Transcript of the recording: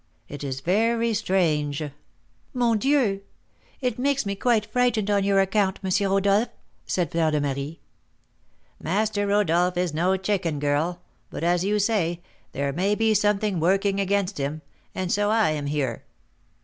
"It is very strange." "Mon Dieu! it makes me quite frightened on your account, M. Rodolph," said Fleur de Marie. "Master Rodolph is no chicken, girl; but as you say, there may be something working against him, and so I am here."